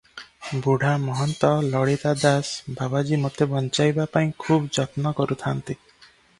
ବୁଢ଼ା ମହନ୍ତ ଲଳିତା ଦାସ ବାବାଜୀ ମୋତେ ବଞ୍ଚାଇବା ପାଇଁ ଖୁବ୍ ଯତ୍ନ କରୁଥାନ୍ତି ।